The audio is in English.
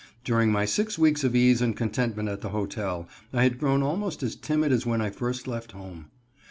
During my six weeks of ease and contentment at the hotel I had grown almost as timid as when I first left home.